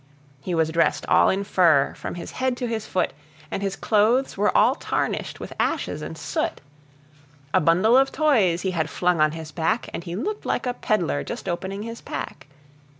He was dressed all in fur, from his head to his foot, And his clothes were all tarnished with ashes and soot; A bundle of toys he had flung on his back, And he looked like a peddler just opening his pack.